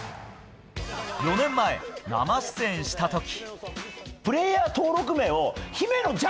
４年前、生出演したとき。